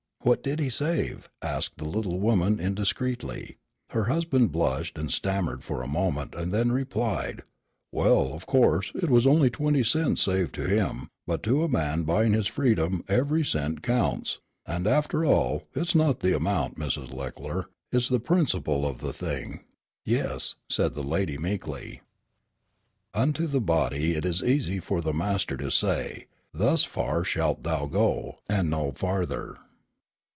"What did he save?" asked the little woman indiscreetly. Her husband blushed and stammered for a moment, and then replied, "Well, of course, it was only twenty cents saved to him, but to a man buying his freedom every cent counts; and after all, it is not the amount, Mrs. Leckler, it's the principle of the thing." "Yes," said the lady meekly. II Unto the body it is easy for the master to say, "Thus far shalt thou go, and no farther."